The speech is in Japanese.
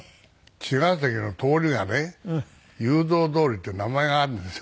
茅ヶ崎の通りがね雄三通りっていう名前があるんですよ。